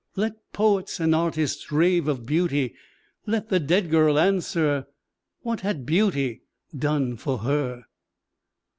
Let poets and artists rave of beauty let the dead girl answer, "What had beauty done for her?"